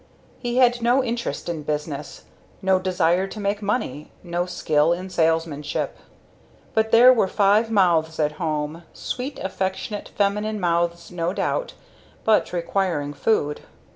He had no interest in business, no desire to make money, no skill in salesmanship. But there were five mouths at home; sweet affectionate feminine mouths no doubt, but requiring food.